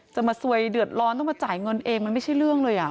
จะมาซวยเดือดร้อนต้องมาจ่ายเงินเองมันไม่ใช่เรื่องเลย